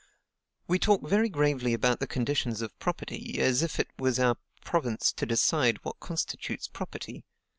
"We talk very gravely about the conditions of property,... as if it was our province to decide what constitutes property....